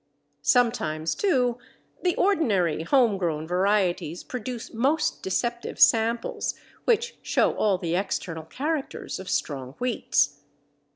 Sometimes too the ordinary home grown varieties produce most deceptive samples which show all the external characters of strong wheats.